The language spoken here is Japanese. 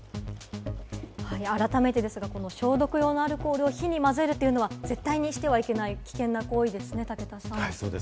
改めてですが、この消毒用のアルコールを火に混ぜるというのは絶対にしてはいけない危険な行為ですね、武田さん。